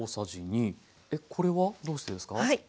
これはどうしてですか？